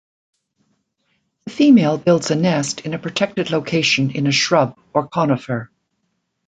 The female builds a nest in a protected location in a shrub or conifer.